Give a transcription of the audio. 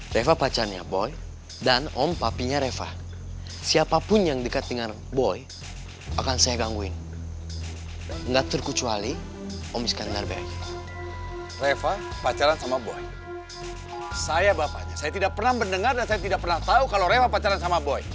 saya bapaknya saya tidak pernah mendengar dan saya tidak pernah tahu kalau reva pacaran sama boy